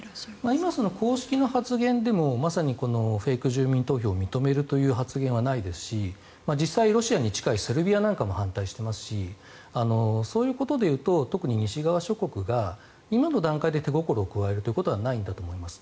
今、公式の発言でもまさにフェイク住民投票を認めるという発言はないですしロシアに近いセルビアなんかも反対していますしそういうことでいうと特に西側諸国が今の段階で手心を加えるということはないと思います。